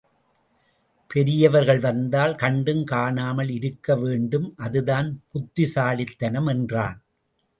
பெரியவர்கள் வந்தால் கண்டும் காணாமல் இருக்கவேண்டும் அது தான் புத்திசாலித்தனம் என்றான்.